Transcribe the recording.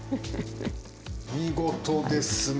見事ですね。